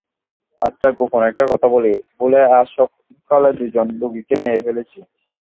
আচ্ছা, গোপনে একটা কথা বলি, ভুলে আজ সকালে দুজন রোগীকে মেরে ফেলেছি।